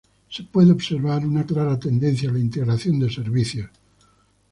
Se puede observar una clara tendencia a la integración de servicios.